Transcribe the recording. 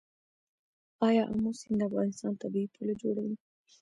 آیا امو سیند د افغانستان طبیعي پوله جوړوي؟